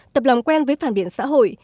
tập lòng quen với phản biện xã hội